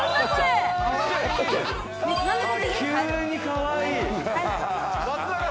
かわいい！